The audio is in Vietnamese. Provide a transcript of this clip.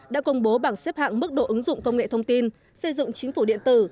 đã công bố bảng xếp hạng mức độ ứng dụng công nghệ thông tin xây dựng chính phủ điện tử